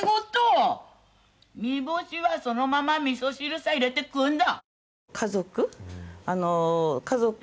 煮干しはそのままみそ汁さ入れて食うんだ。